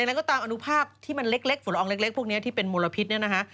อะไรก็ตามอนุภาพที่มันเล็กฝุ่นละอองเล็กพวกนี้ที่เป็นมลพิษเนี่ยนะคะ